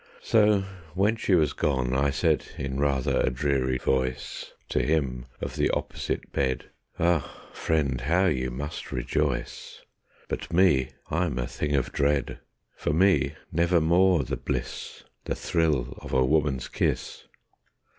So when she was gone I said In rather a dreary voice To him of the opposite bed: "Ah, friend, how you must rejoice! But me, I'm a thing of dread. For me nevermore the bliss, The thrill of a woman's kiss."